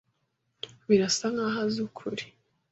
Birasa nkaho azi ukuri.